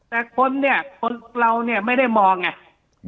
แต่คนเนี่ยคนเราเนี่ยไม่ได้มองไง